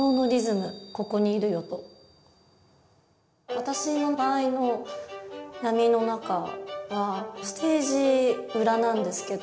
私の場合の「闇のなか」はステージ裏なんですけど。